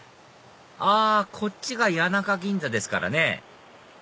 あこっちが谷中銀座ですからね